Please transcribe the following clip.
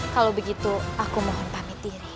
kalau begitu aku mohon pamit diri